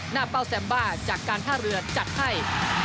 เป้าแซมบ้าจากการท่าเรือจัดให้